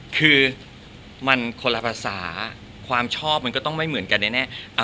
คือมันคนละภาษาความชอบมันก็ต้องไม่เหมือนกันแน่